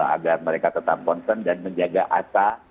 agar mereka tetap concern dan menjaga asa